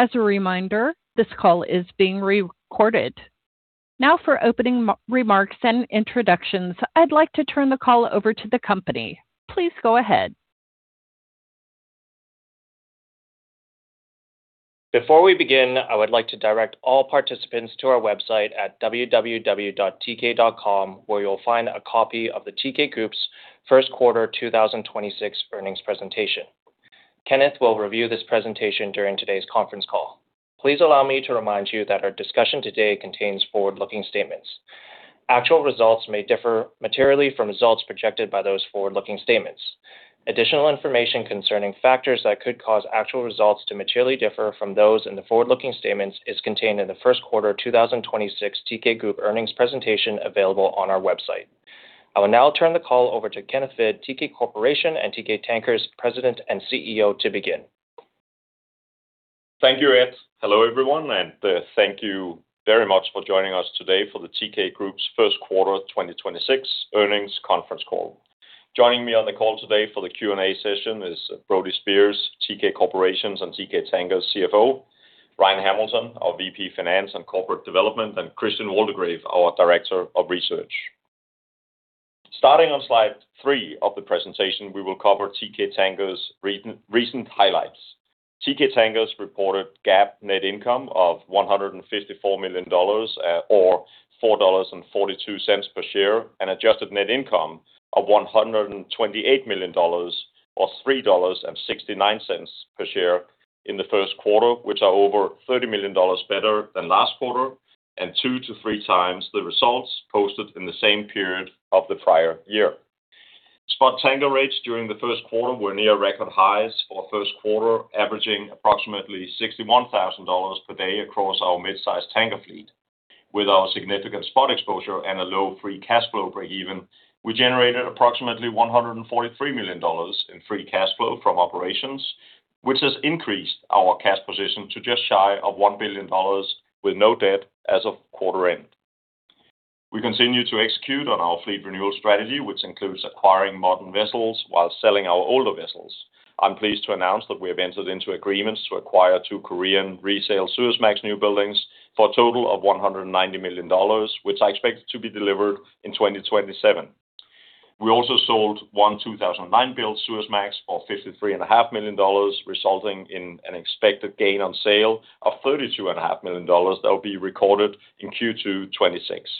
As a reminder, this call is being recorded. Now for opening remarks and introductions, I'd like to turn the call over to the company. Please go ahead. Before we begin, I would like to direct all participants to our website at www.teekay.com where you'll find a copy of the Teekay Group's first quarter 2026 earnings presentation. Kenneth will review this presentation during today's conference call. Please allow me to remind you that our discussion today contains forward-looking statements. Actual results may differ materially from results projected by those forward-looking statements. Additional information concerning factors that could cause actual results to materially differ from those in the forward-looking statements is contained in the first quarter 2026 Teekay Group earnings presentation available on our website. I will now turn the call over to Kenneth Hvid, Teekay Corporation and Teekay Tankers President and CEO to begin. Thank you, Ed. Hello, everyone, and thank you very much for joining us today for the Teekay Group's first quarter 2026 earnings conference call. Joining me on the call today for the Q&A session is Brody Speers, Teekay Corporation's and Teekay Tankers' CFO, Ryan Hamilton, our VP Finance and Corporate Development, and Christian Waldegrave, our Director of Research. Starting on slide three of the presentation, we will cover Teekay Tankers recent highlights. Teekay Tankers reported GAAP net income of $154 million, or $4.42 per share, and adjusted net income of $128 million, or $3.69 per share in the first quarter, which are over $30 million better than last quarter and 2x-3x the results posted in the same period of the prior year. Spot tanker rates during the first quarter were near record highs for first quarter, averaging approximately $61,000 per day across our mid-sized tanker fleet. With our significant spot exposure and a low free cash flow breakeven, we generated approximately $143 million in free cash flow from operations, which has increased our cash position to just shy of $1 billion with no debt as of quarter end. We continue to execute on our fleet renewal strategy, which includes acquiring modern vessels while selling our older vessels. I'm pleased to announce that we have entered into agreements to acquire two Korean resale Suezmax newbuildings for a total of $190 million, which I expect to be delivered in 2027. We also sold one 2009-built Suezmax for $53.5 million, resulting in an expected gain on sale of $32.5 million That will be recorded in Q2 2026.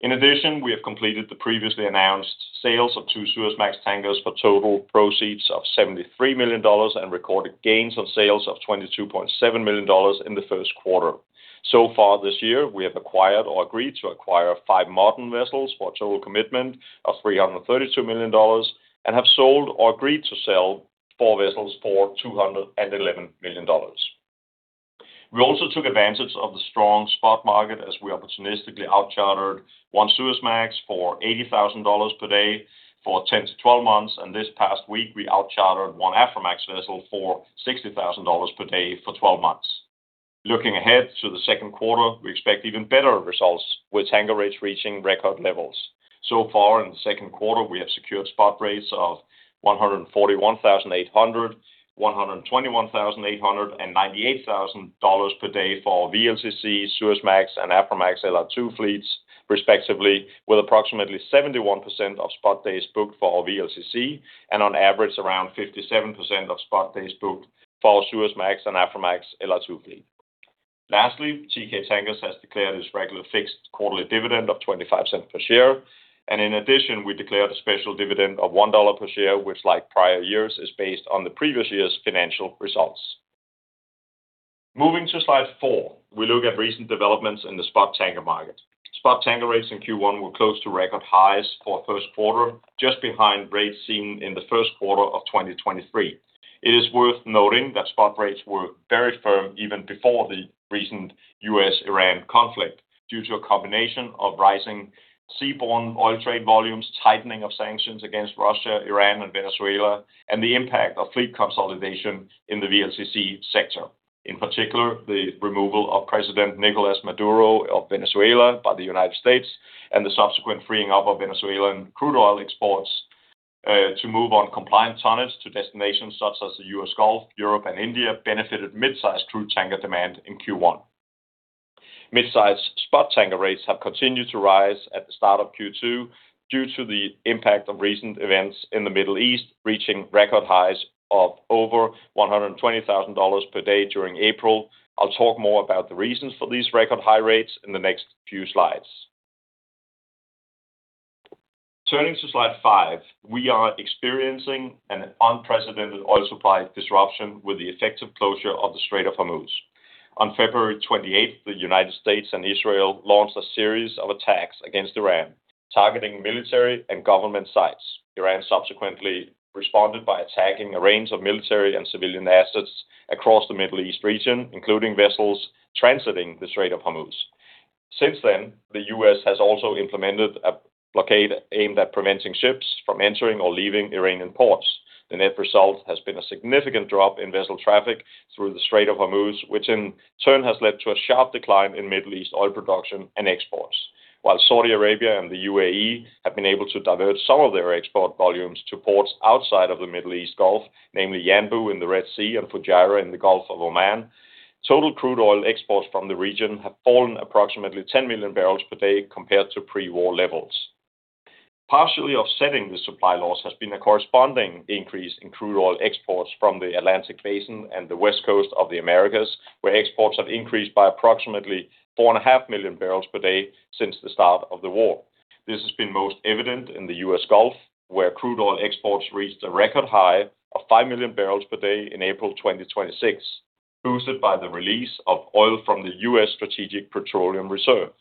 In addition, we have completed the previously announced sales of two Suezmax tankers for total proceeds of $73 million and recorded gains on sales of $22.7 million in the first quarter. Far this year, we have acquired or agreed to acquire five modern vessels for a total commitment of $332 million and have sold or agreed to sell four vessels for $211 million. We also took advantage of the strong spot market as we opportunistically outchartered one Suezmax for $80,000 per day for 10-12 months. This past week, we outchartered one Aframax vessel for $60,000 per day for 12 months. Looking ahead to the second quarter, we expect even better results with tanker rates reaching record levels. Far in the second quarter, we have secured spot rates of $141,800, $121,800, and $98,000 per day for VLCC, Suezmax, and Aframax LR2 fleets respectively, with approximately 71% of spot days booked for VLCC and on average around 57% of spot days booked for our Suezmax and Aframax LR2 fleet. Lastly, Teekay Tankers has declared its regular fixed quarterly dividend of $0.25 per share. In addition, we declared a special dividend of $1 per share, which like prior years, is based on the previous year's financial results. Moving to slide four, we look at recent developments in the spot tanker market. Spot tanker rates in Q1 were close to record highs for first quarter, just behind rates seen in the first quarter of 2023. It is worth noting that spot rates were very firm even before the recent U.S.-Iran conflict due to a combination of rising seaborne oil trade volumes, tightening of sanctions against Russia, Iran, and Venezuela, and the impact of fleet consolidation in the VLCC sector. In particular, the removal of President Nicolás Maduro of Venezuela by the United States and the subsequent freeing up of Venezuelan crude oil exports to move on compliant tonnage to destinations such as the U.S. Gulf, Europe, and India benefited mid-sized crude tanker demand in Q1. Mid-sized spot tanker rates have continued to rise at the start of Q2 due to the impact of recent events in the Middle East, reaching record highs of over $120,000 per day during April. I'll talk more about the reasons for these record high rates in the next few slides. Turning to slide five, we are experiencing an unprecedented oil supply disruption with the effective closure of the Strait of Hormuz. On February 28, the United States and Israel launched a series of attacks against Iran, targeting military and government sites. Iran subsequently responded by attacking a range of military and civilian assets across the Middle East region, including vessels transiting the Strait of Hormuz. Since then, the U.S. has also implemented a blockade aimed at preventing ships from entering or leaving Iranian ports. The net result has been a significant drop in vessel traffic through the Strait of Hormuz, which in turn has led to a sharp decline in Middle East oil production and exports. While Saudi Arabia and the U.A.E. have been able to divert some of their export volumes to ports outside of the Middle East Gulf, namely Yanbu in the Red Sea and Fujairah in the Gulf of Oman, total crude oil exports from the region have fallen approximately 10 million barrels per day compared to pre-war levels. Partially offsetting the supply loss has been a corresponding increase in crude oil exports from the Atlantic Basin and the West Coast of the Americas, where exports have increased by approximately 4.5 million barrels per day since the start of the war. This has been most evident in the U.S. Gulf, where crude oil exports reached a record high of 5 million barrels per day in April 2026, boosted by the release of oil from the U.S. Strategic Petroleum Reserve.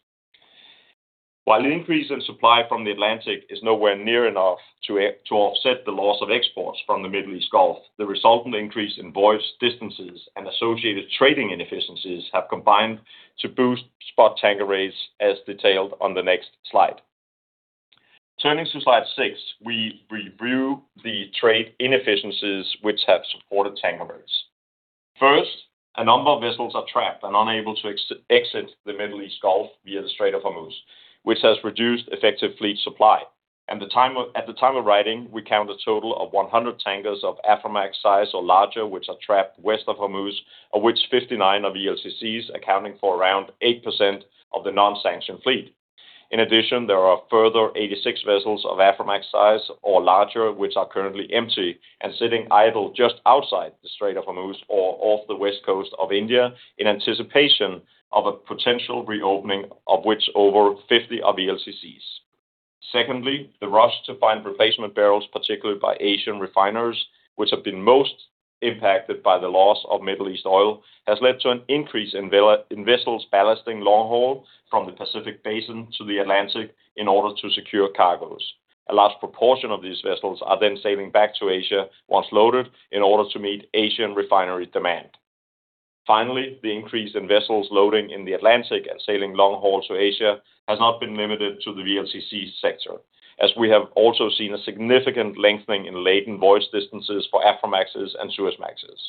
While the increase in supply from the Atlantic is nowhere near enough to offset the loss of exports from the Middle East Gulf, the resultant increase in voyage distances and associated trading inefficiencies have combined to boost spot tanker rates as detailed on the next slide. Turning to slide six, we review the trade inefficiencies which have supported tanker rates. First, a number of vessels are trapped and unable to exit the Middle East Gulf via the Strait of Hormuz, which has reduced effective fleet supply. At the time of writing, we count a total of 100 tankers of Aframax size or larger, which are trapped west of Hormuz, of which 59 are VLCCs accounting for around 8% of the non-sanctioned fleet. In addition, there are a further 86 vessels of Aframax size or larger, which are currently empty and sitting idle just outside the Strait of Hormuz or off the west coast of India in anticipation of a potential reopening, of which over 50 are VLCCs. Secondly, the rush to find replacement barrels, particularly by Asian refiners, which have been most impacted by the loss of Middle East oil, has led to an increase in vessels ballasting long haul from the Pacific Basin to the Atlantic in order to secure cargoes. A large proportion of these vessels are then sailing back to Asia once loaded, in order to meet Asian refinery demand. The increase in vessels loading in the Atlantic and sailing long haul to Asia has not been limited to the VLCC sector, as we have also seen a significant lengthening in laden voyage distances for Aframaxes and Suezmaxes.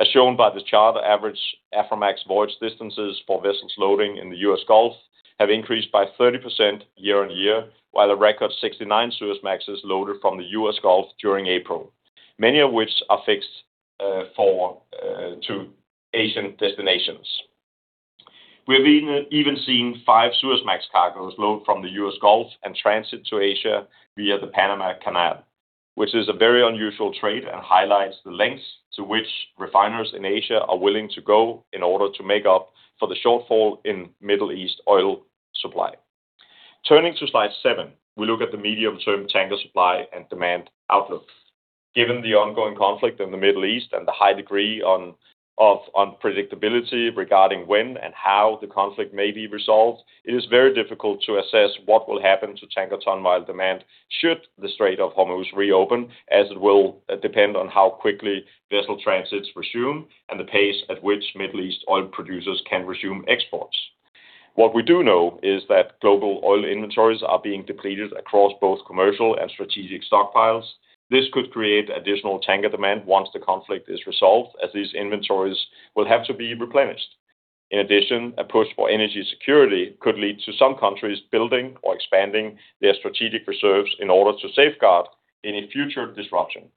As shown by the charter average Aframax voyage distances for vessels loading in the U.S. Gulf have increased by 30% year on year while a record 69 Suezmaxes loaded from the U.S. Gulf during April, many of which are fixed for to Asian destinations. We've even seen five Suezmax cargoes load from the U.S. Gulf and transit to Asia via the Panama Canal, which is a very unusual trade and highlights the lengths to which refiners in Asia are willing to go in order to make up for the shortfall in Middle East oil supply. Turning to slide seven, we look at the medium-term tanker supply and demand outlook. Given the ongoing conflict in the Middle East and the high degree of unpredictability regarding when and how the conflict may be resolved, it is very difficult to assess what will happen to tanker ton-mile demand should the Strait of Hormuz reopen, as it will depend on how quickly vessel transits resume and the pace at which Middle East oil producers can resume exports. What we do know is that global oil inventories are being depleted across both commercial and strategic stockpiles. This could create additional tanker demand once the conflict is resolved, as these inventories will have to be replenished. In addition, a push for energy security could lead to some countries building or expanding their strategic reserves in order to safeguard any future disruption.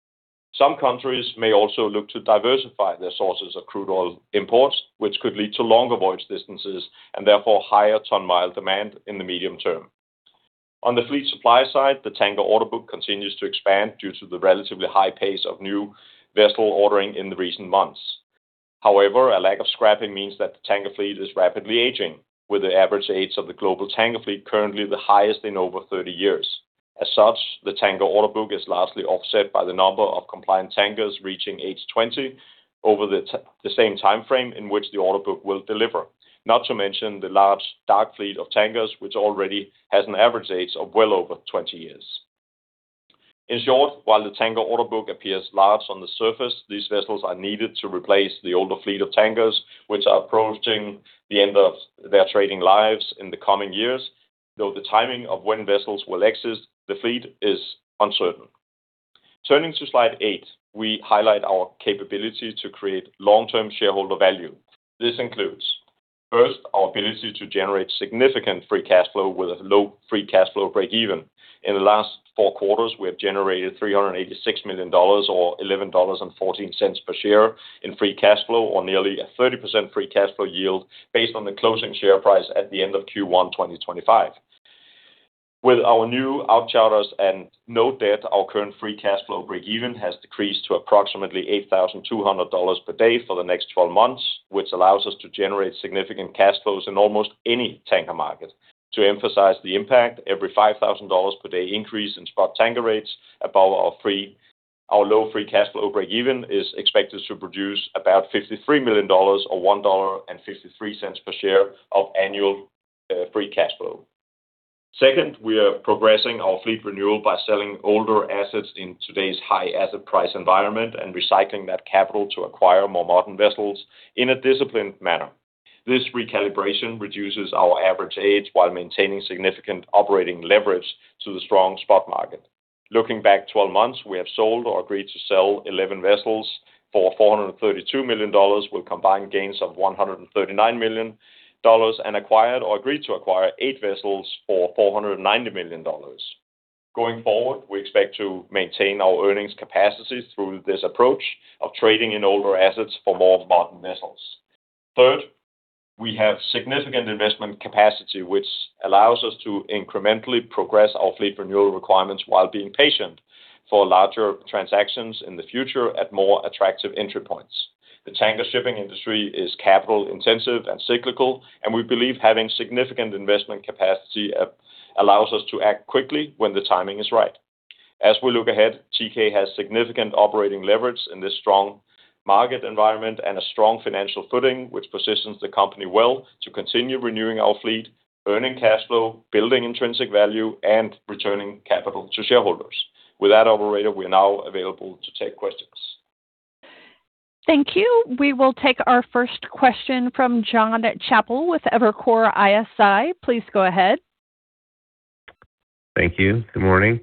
Some countries may also look to diversify their sources of crude oil imports, which could lead to longer voyage distances and therefore higher ton-mile demand in the medium term. On the fleet supply side, the tanker order book continues to expand due to the relatively high pace of new vessel ordering in the recent months. However, a lack of scrapping means that the tanker fleet is rapidly aging, with the average age of the global tanker fleet currently the highest in over 30 years. As such, the tanker order book is largely offset by the number of compliant tankers reaching age 20 over the same timeframe in which the order book will deliver. Not to mention the large dark fleet of tankers, which already has an average age of well over 20 years. In short, while the tanker order book appears large on the surface, these vessels are needed to replace the older fleet of tankers, which are approaching the end of their trading lives in the coming years, though the timing of when vessels will exit the fleet is uncertain. Turning to slide eight, we highlight our capability to create long-term shareholder value. This includes, first, our ability to generate significant free cash flow with a low free cash flow breakeven. In the last four quarters, we have generated $386 million or $11.14 per share in free cash flow on nearly a 30% free cash flow yield based on the closing share price at the end of Q1 2025. With our new outcharters and no debt, our current free cash flow breakeven has decreased to approximately $8,200 per day for the next 12 months, which allows us to generate significant cash flows in almost any tanker market. To emphasize the impact, every $5,000 per day increase in spot tanker rates above our low free cash flow breakeven is expected to produce about $53 million or $1.53 per share of annual free cash flow. Second, we are progressing our fleet renewal by selling older assets in today's high asset price environment and recycling that capital to acquire more modern vessels in a disciplined manner. This recalibration reduces our average age while maintaining significant operating leverage to the strong spot market. Looking back 12 months, we have sold or agreed to sell 11 vessels for $432 million with combined gains of $139 million and acquired or agreed to acquire eight vessels for $490 million. Going forward, we expect to maintain our earnings capacities through this approach of trading in older assets for more modern vessels. Third, we have significant investment capacity which allows us to incrementally progress our fleet renewal requirements while being patient for larger transactions in the future at more attractive entry points. The tanker shipping industry is capital-intensive and cyclical, and we believe having significant investment capacity allows us to act quickly when the timing is right. As we look ahead, Teekay has significant operating leverage in this strong market environment and a strong financial footing, which positions the company well to continue renewing our fleet, earning cash flow, building intrinsic value, and returning capital to shareholders. With that, operator, we are now available to take questions. Thank you. We will take our first question from Jon Chappell with Evercore ISI. Please go ahead. Thank you. Good morning.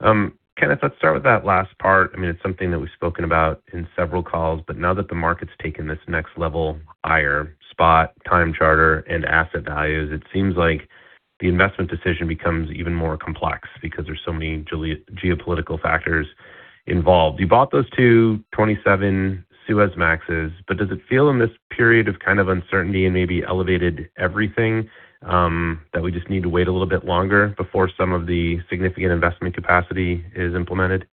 Kenneth, let's start with that last part. I mean, it's something that we've spoken about in several calls. Now that the market's taken this next level higher, spot, time charter, and asset values, it seems like the investment decision becomes even more complex because there's so many geo-geopolitical factors involved. You bought those two 2027 Suezmaxes. Does it feel in this period of kind of uncertainty and maybe elevated everything that we just need to wait a little bit longer before some of the significant investment capacity is implemented?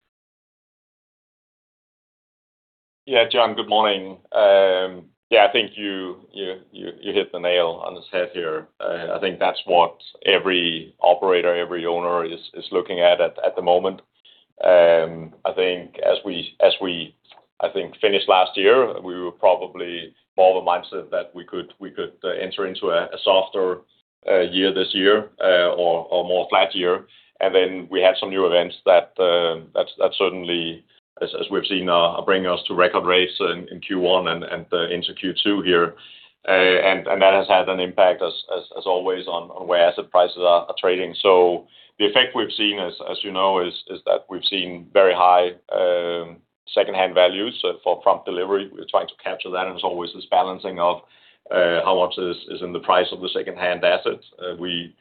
Jon, good morning. I think you hit the nail on this head here. I think that's what every operator, every owner is looking at at the moment. I think as we, I think, finished last year, we were probably more the mindset that we could enter into a softer year this year, or more flat year. We had some new events that certainly, as we've seen, bringing us to record rates in Q1 and into Q2 here. That has had an impact as always on where asset prices are trading. The effect we've seen, as you know, is that we've seen very high secondhand values for prompt delivery. We're trying to capture that. It's always this balancing of how much is in the price of the secondhand assets. We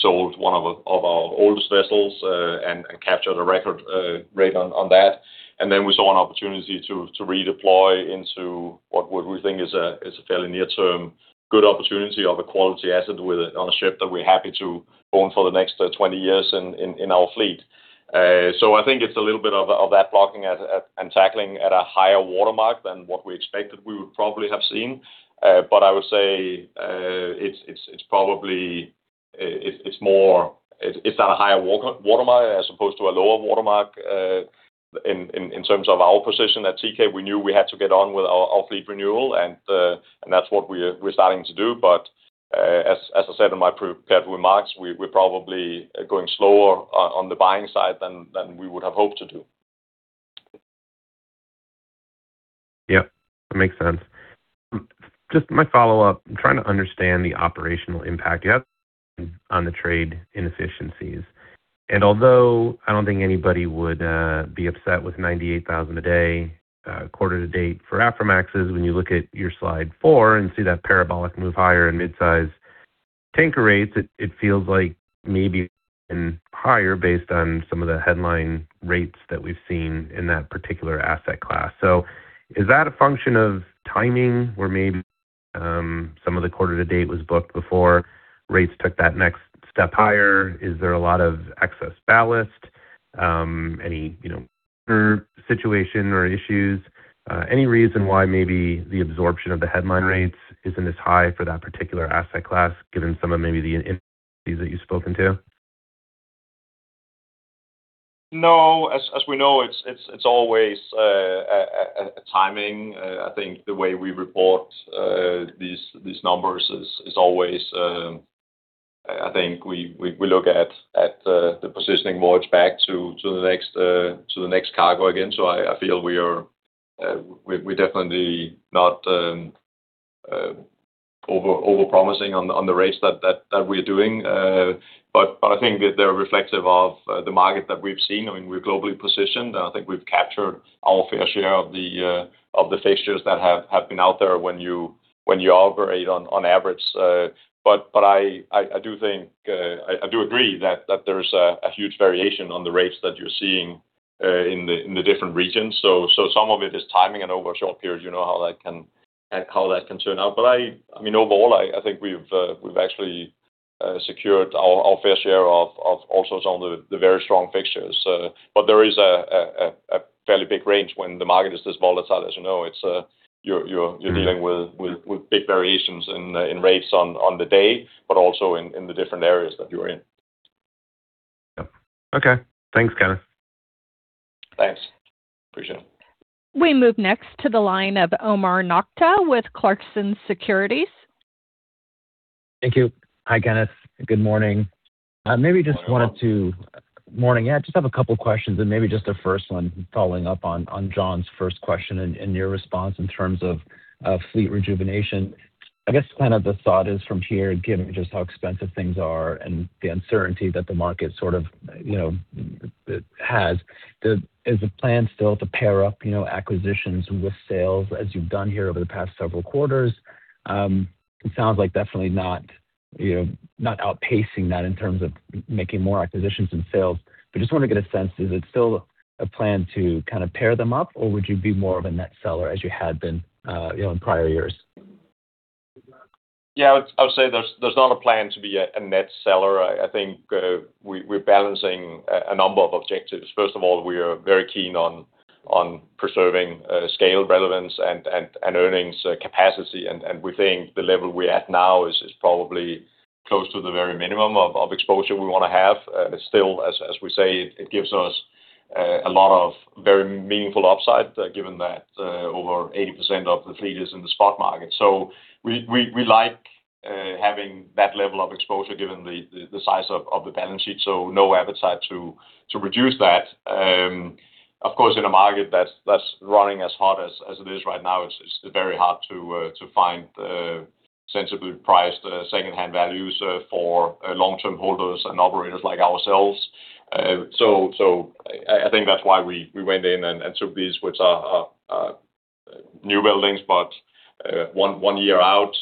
sold one of our oldest vessels and captured a record rate on that. We saw an opportunity to redeploy into what we think is a fairly near-term good opportunity of a quality asset with it on a ship that we're happy to own for the next 20 years in our fleet. I think it's a little bit of that blocking and tackling at a higher watermark than what we expected we would probably have seen. I would say, it's probably, it's at a higher watermark as opposed to a lower watermark, in terms of our position at Teekay. We knew we had to get on with our fleet renewal, and that's what we're starting to do. As I said in my pre-prepared remarks, we're probably going slower on the buying side than we would have hoped to do. Yeah, that makes sense. Just my follow-up. I'm trying to understand the operational impact you have on the trade inefficiencies. Although I don't think anybody would be upset with $98,000 a day quarter-to-date for Aframaxes, when you look at your slide four and see that parabolic move higher in mid-size tanker rates, it feels like maybe higher based on some of the headline rates that we've seen in that particular asset class. Is that a function of timing, where maybe some of the quarter-to-date was booked before rates took that next step higher? Is there a lot of excess ballast? Any, you know, curve situation or issues? Any reason why maybe the absorption of the headline rates isn't as high for that particular asset class, given some of maybe the inefficiencies that you've spoken to? No. As we know, it's always a timing. I think the way we report these numbers is always I think we look at the positioning more back to the next to the next cargo again. I feel we're definitely not overpromising on the rates that we're doing. I think they're reflective of the market that we've seen. I mean, we're globally positioned, and I think we've captured our fair share of the fixtures that have been out there when you operate on average. I do think I do agree that there's a huge variation on the rates that you're seeing in the different regions. Some of it is timing. Over short periods, you know how that can turn out. I mean, overall, I think we've actually secured our fair share of also some of the very strong fixtures. There is a fairly big range when the market is this volatile, as you know. It's, you're dealing with big variations in rates on the day, but also in the different areas that you are in. Yeah. Okay. Thanks, Kenneth. Thanks. Appreciate it. We move next to the line of Omar Nokta with Clarksons Securities. Thank you. Hi, Kenneth. Good morning. Morning. Morning. Yeah, just have a couple questions and maybe just the first one following up on Jon's first question and your response in terms of fleet rejuvenation. I guess kind of the thought is from here, given just how expensive things are and the uncertainty that the market sort of, you know, has, is the plan still to pair up, you know, acquisitions with sales as you've done here over the past several quarters? It sounds like definitely not, you know, not outpacing that in terms of making more acquisitions than sales. Just want to get a sense, is it still a plan to kind of pair them up, or would you be more of a net seller as you had been, you know, in prior years? Yeah, I would say there's not a plan to be a net seller. I think we're balancing a number of objectives. First of all, we are very keen on preserving scale relevance and earnings capacity, and we think the level we're at now is probably close to the very minimum of exposure we want to have. Still as we say, it gives us a lot of very meaningful upside given that over 80% of the fleet is in the spot market. We like having that level of exposure given the size of the balance sheet, no appetite to reduce that. Of course, in a market that's running as hot as it is right now, it's very hard to find sensibly priced secondhand values for long-term holders and operators like ourselves. I think that's why we went in and took these, which are new buildings, but one year out.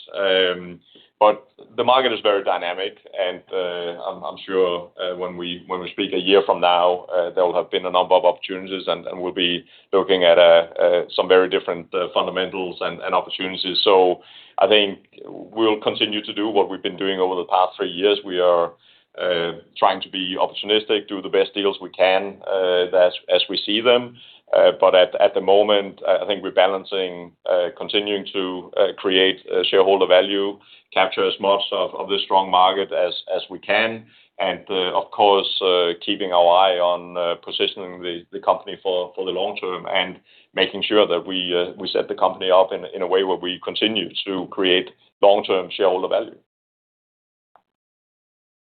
The market is very dynamic and I'm sure when we speak a year from now, there will have been a number of opportunities and we'll be looking at some very different fundamentals and opportunities. I think we'll continue to do what we've been doing over the past three years. We are trying to be opportunistic, do the best deals we can as we see them. But at the moment, I think we're balancing continuing to create shareholder value, capture as much of this strong market as we can. Of course, keeping our eye on positioning the company for the long term and making sure that we set the company up in a way where we continue to create long-term shareholder value.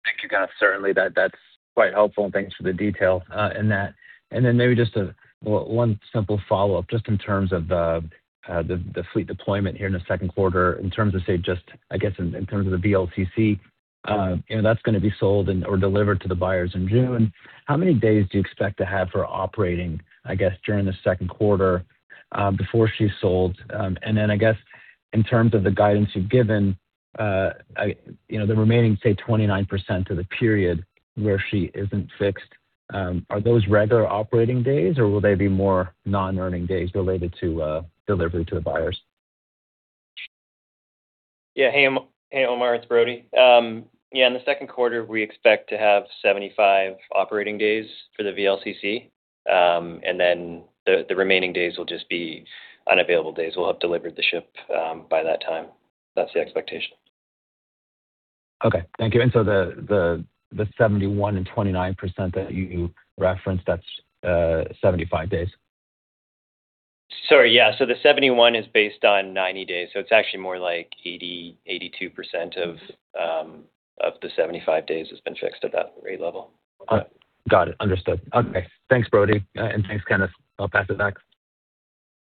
Thank you, Kenneth. Certainly that's quite helpful, and thanks for the detail in that. Maybe just one simple follow-up, just in terms of the fleet deployment here in the second quarter, in terms of, say, just, I guess in terms of the VLCC, you know, that's gonna be sold or delivered to the buyers in June. How many days do you expect to have her operating, I guess, during the second quarter, before she's sold? I guess in terms of the guidance you've given, you know, the remaining, say, 29% of the period where she isn't fixed, are those regular operating days or will they be more non-earning days related to delivery to the buyers? Yeah. Hey, hey, Omar. It's Brody. Yeah, in the second quarter, we expect to have 75 operating days for the VLCC. The remaining days will just be unavailable days. We'll have delivered the ship by that time. That's the expectation. Okay. Thank you. The 71% and 29% that you referenced, that's 75 days. Sorry. Yeah. The 71% is based on 90 days, so it's actually more like 80%-82% of the 75 days has been fixed at that rate level. Got it. Understood. Okay. Thanks, Brody, and thanks, Kenneth. I'll pass it back.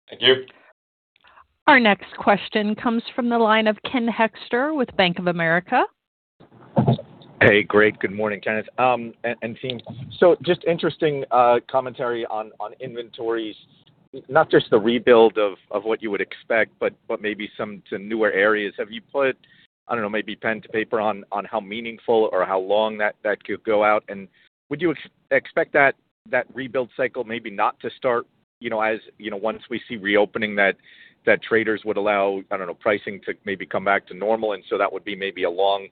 Thank you. Our next question comes from the line of Ken Hoexter with Bank of America. Hey, great. Good morning, Kenneth, and team. Just interesting commentary on inventories, not just the rebuild of what you would expect, but maybe some to newer areas. Have you put, I don't know, maybe pen to paper on how meaningful or how long that could go out? Would you expect that rebuild cycle maybe not to start, you know, as once we see reopening that traders would allow, I don't know, pricing to maybe come back to normal, that would be maybe a long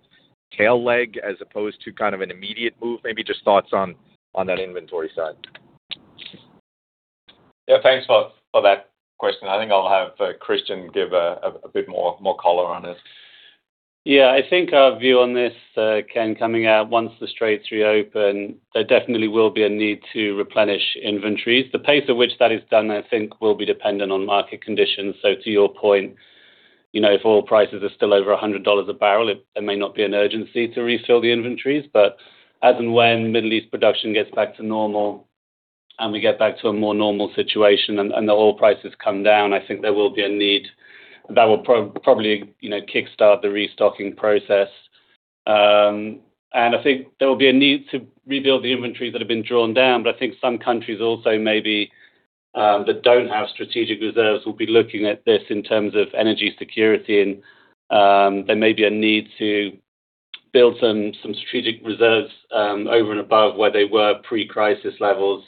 tail leg as opposed to kind of an immediate move? Maybe just thoughts on that inventory side. Yeah. Thanks for that question. I think I'll have Christian give a bit more color on it. Yeah. I think our view on this, Ken, coming out once the Straits reopen, there definitely will be a need to replenish inventories. The pace at which that is done, I think will be dependent on market conditions. To your point, you know, if oil prices are still over $100 a barrel, there may not be an urgency to refill the inventories. As and when Middle East production gets back to normal and we get back to a more normal situation and the oil prices come down, I think there will be a need that will probably, you know, kickstart the restocking process. I think there will be a need to rebuild the inventories that have been drawn down. I think some countries also maybe that don't have strategic reserves will be looking at this in terms of energy security and there may be a need to build some strategic reserves over and above where they were pre-crisis levels.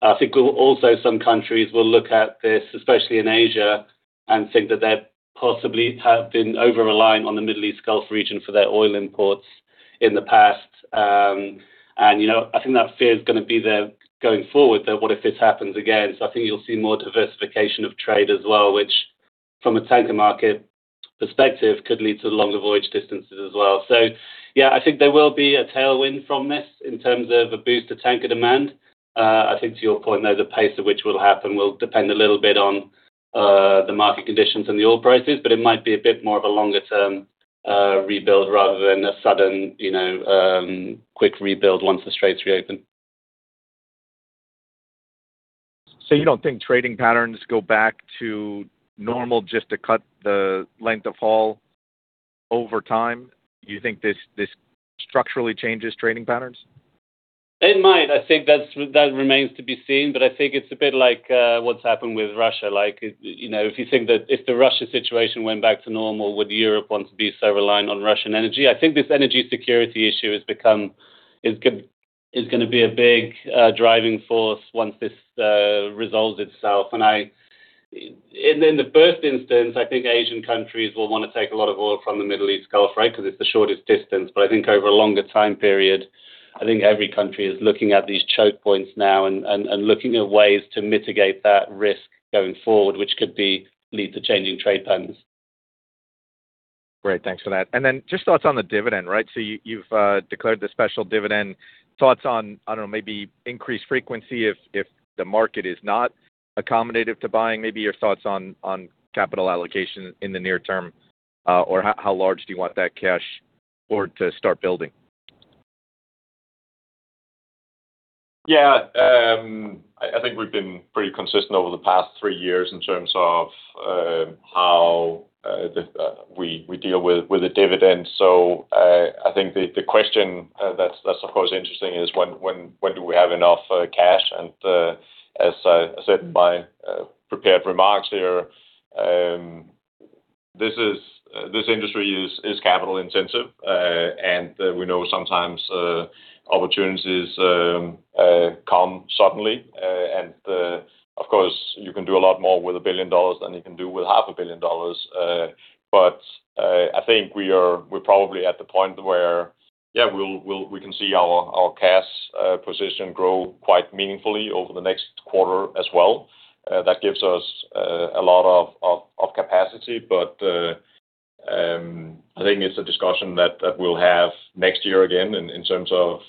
I think also some countries will look at this, especially in Asia, and think that they possibly have been over-reliant on the Middle East Gulf region for their oil imports in the past. You know, I think that fear is gonna be there going forward that what if this happens again. I think you'll see more diversification of trade as well, which from a tanker market perspective, could lead to longer voyage distances as well. Yeah, I think there will be a tailwind from this in terms of a boost to tanker demand. I think to your point, though, the pace at which will happen will depend a little bit on the market conditions and the oil prices, but it might be a bit more of a longer term rebuild rather than a sudden, you know, quick rebuild once the Straits reopen. You don't think trading patterns go back to normal just to cut the length of haul over time? You think this structurally changes trading patterns? It might. I think that remains to be seen, but I think it's a bit like what's happened with Russia. Like, you know, if you think that if the Russia situation went back to normal, would Europe want to be so reliant on Russian energy? I think this energy security issue has become is going to be a big driving force once this resolves itself. In the first instance, I think Asian countries will wanna take a lot of oil from the Middle East Gulf, right, because it's the shortest distance. I think over a longer time period, I think every country is looking at these choke points now and looking at ways to mitigate that risk going forward, which could be lead to changing trade patterns. Great. Thanks for that. Just thoughts on the dividend, right? You've declared the special dividend. Thoughts on maybe increased frequency if the market is not accommodative to buying, maybe your thoughts on capital allocation in the near term, how large do you want that cash hoard to start building? I think we've been pretty consistent over the past three years in terms of how we deal with the dividends. I think the question that's of course interesting is when do we have enough cash? As I said in my prepared remarks here, this industry is capital-intensive. We know sometimes opportunities come suddenly. Of course, you can do a lot more with $1 billion than you can do with $500 million. I think we're probably at the point where, yeah, we can see our cash position grow quite meaningfully over the next quarter as well. That gives us a lot of capacity. I think it's a discussion that we'll have next year again in terms of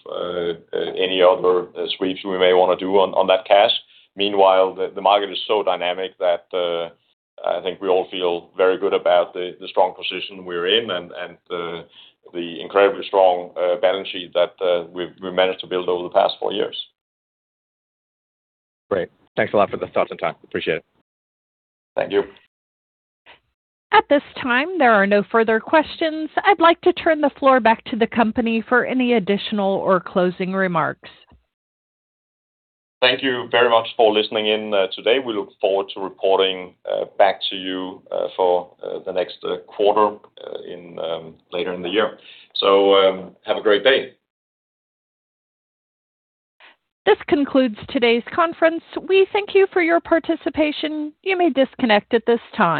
any other sweeps we may wanna do on that cash. Meanwhile, the market is so dynamic that I think we all feel very good about the strong position we're in and the incredibly strong balance sheet that we've managed to build over the past four years. Great. Thanks a lot for the thoughts and time. Appreciate it. Thank you. At this time, there are no further questions. I'd like to turn the floor back to the company for any additional or closing remarks. Thank you very much for listening in today. We look forward to reporting back to you for the next quarter in later in the year. Have a great day. This concludes today's conference. We thank you for your participation. You may disconnect at this time.